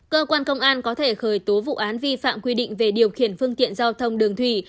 cơ quan công an có thể khởi tố vụ án vi phạm quy định về điều khiển phương tiện giao thông đường thủy